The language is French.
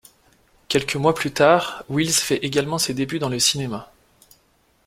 Quelques mois plus tard, Wilz fait également ses débuts dans le cinéma.